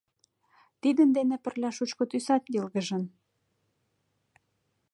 Тидын дене пырля шучко тӱсат йылгыжын.